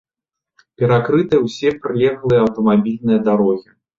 Перакрытыя ўсе прылеглыя аўтамабільныя дарогі.